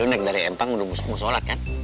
lo naik dari empang mau sholat kan